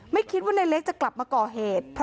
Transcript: ไม่คิดว่าในเล็กจะกลับมาก่อเหตุ